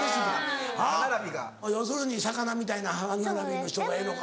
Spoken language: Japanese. ・歯並びが・要するに魚みたいな歯並びの人がええのか。